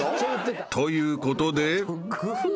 ［ということで］